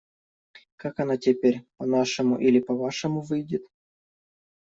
Как оно теперь: по-нашему или по-вашему выйдет?